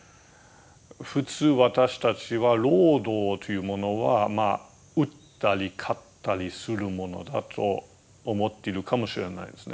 普通私たちは労働というものは売ったり買ったりするものだと思っているかもしれないですね。